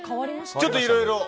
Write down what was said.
ちょっといろいろ。